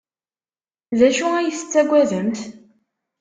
D acu ay tettaggademt?